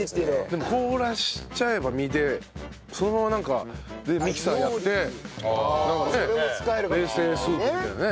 でも凍らせちゃえば実でそのままミキサーやってなんかね冷製スープみたいなね。